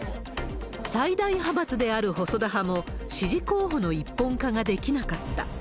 最大派閥である細田派も、支持候補の一本化ができなかった。